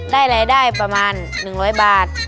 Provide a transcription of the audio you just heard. รายได้ประมาณ๑๐๐บาท